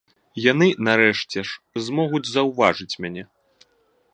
Яны нарэшце ж змогуць заўважыць мяне.